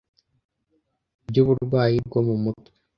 by’uburwayi bwo mu mutwe,